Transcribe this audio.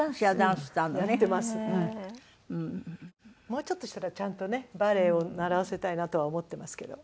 もうちょっとしたらちゃんとねバレエを習わせたいなとは思ってますけど。